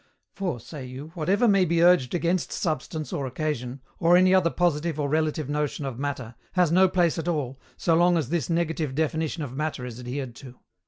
For, say you, whatever may be urged against substance or occasion, or any other positive or relative notion of Matter, has no place at all, so long as this negative definition of Matter is adhered to.